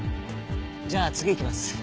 じゃあ次行きます。